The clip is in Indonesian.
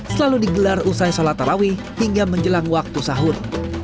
selalu digelar usai sholat tarawih hingga menjelang waktu sahur